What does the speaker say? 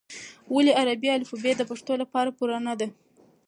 ولې عربي الفبې د پښتو لپاره پوره نه ده؟